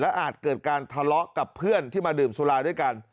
อาจเกิดการทะเลาะกับเพื่อนที่มาดื่มสุราด้วยกัน